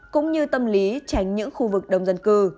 cũng như tâm lý tránh những khu vực đông dân cư